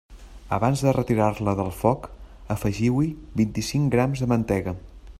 Abans de retirar-la del foc, afegiu-hi vint-i-cinc grams de mantega.